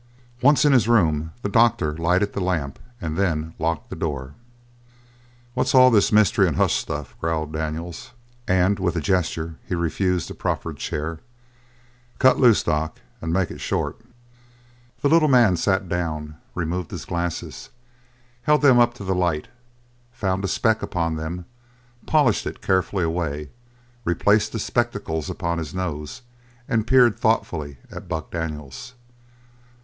Once in his room the doctor lighted the lamp and then locked the door. "What's all the mystery and hush stuff?" growled Daniels, and with a gesture he refused the proffered chair. "Cut loose, doc, and make it short." The little man sat down, removed his glasses, held them up to the light, found a speck upon them, polished it carefully away, replaced the spectacles upon his nose, and peered thoughtfully at Buck Daniels.